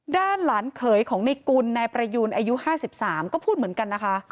ด้านหลานเขยของในกุลนายประยูนอายุ๕๓ก็พูดเหมือนกันนะคะ